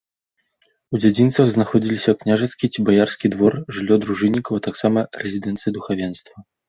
У дзядзінцах знаходзіліся княжацкі ці баярскі двор, жыллё дружыннікаў, а таксама рэзідэнцыя духавенства.